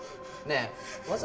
ねえ。